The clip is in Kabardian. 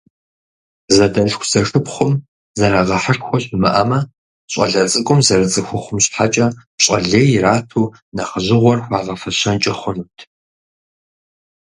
Зэдэлъху-зэшыпхъум зэрагъэхьышхуэ щымыӀэмэ, щӀалэ цӀыкӀум зэрыцӀыхухъум щхьэкӀэ пщӀэ лей ирату нэхъыжьыгъуэр хуагъэфэщэнкӀэ хъунут.